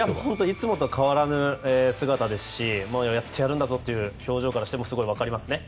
いつもと変わらぬ姿ですしやってやるんぞという表情からもすごい分かりますね。